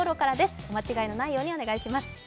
お間違えのないようにお願いします。